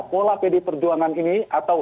pola pd perjuangan ini atau